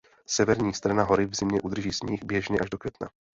Severní strana hory v zimě udrží sníh běžně až do května.